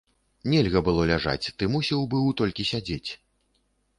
Нельга было ляжаць, ты мусіў быў толькі сядзець.